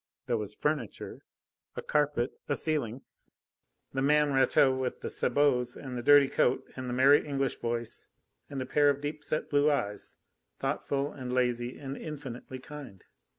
There was furniture; a carpet; a ceiling; the man Rateau with the sabots and the dirty coat, and the merry English voice, and a pair of deep set blue eyes, thoughtful and lazy and infinitely kind.